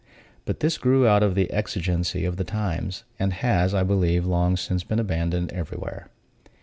But this grew out of the exigency of the times, and has, I believe, been long since abandoned everywhere.